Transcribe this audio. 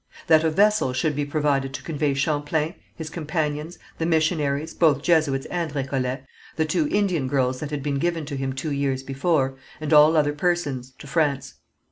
"That a vessel should be provided to convey Champlain, his companions, the missionaries, both Jesuits and Récollets, the two Indian girls that had been given to him two years before, and all other persons, to France.